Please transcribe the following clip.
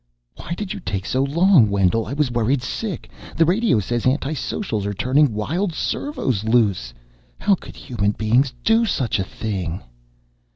"Why did you take so long, Wendell. I was worried sick. The radio says anti socials are turning wild servos loose. How could human beings do such a thing?"